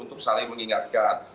untuk saling mengingatkan